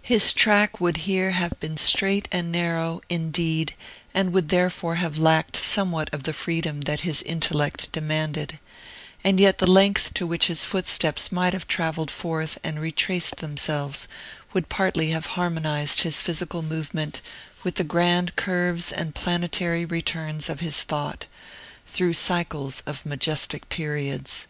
His track would here have been straight and narrow, indeed, and would therefore have lacked somewhat of the freedom that his intellect demanded; and yet the length to which his footsteps might have travelled forth and retraced themselves would partly have harmonized his physical movement with the grand curves and planetary returns of his thought, through cycles of majestic periods.